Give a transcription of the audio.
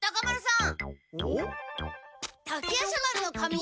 ん？